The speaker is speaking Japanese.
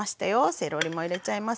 セロリも入れちゃいますよ。